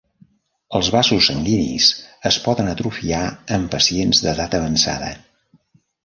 Els vasos sanguinis es poden atrofiar en pacients d'edat avançada.